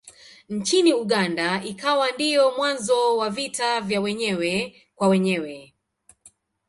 Nchini Uganda ikawa ndiyo mwanzo wa vita vya wenyewe kwa wenyewe.